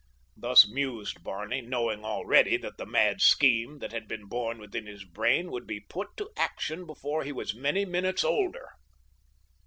Thus mused Barney, knowing already that the mad scheme that had been born within his brain would be put to action before he was many minutes older.